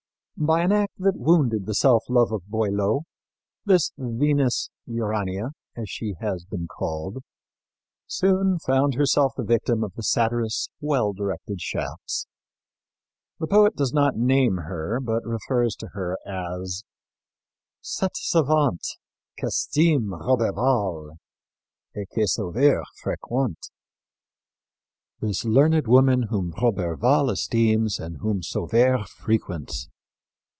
By an act that wounded the self love of Boileau this Venus Urania, as she has been called, soon found herself the victim of the satirist's well directed shafts. The poet does not name her, but refers to her as "Cette savante Qu'estime Roberval et que Sauveur fréquente " this learned woman whom Roberval esteems and whom Sauveur frequents.